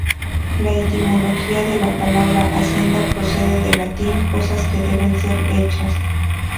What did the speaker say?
La etimología de la palabra "Hacienda" procede del Latín, "cosas que deben ser hechas".